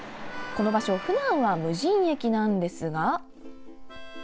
この場所普段は無人駅なんですが。